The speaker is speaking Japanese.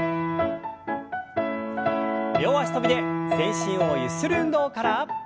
両脚跳びで全身をゆする運動から。